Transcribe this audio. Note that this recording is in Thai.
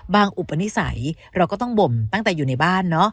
อุปนิสัยเราก็ต้องบ่มตั้งแต่อยู่ในบ้านเนอะ